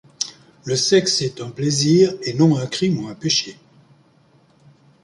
Le sexe est un plaisir et non un crime ou un péché.